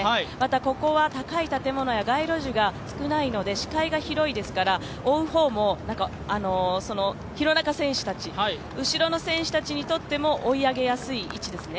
ここは高い建物や街路樹が少ないので視界が広いですから、追う方も廣中選手たち後ろの選手たちにとっても追い上げやすい位置ですね。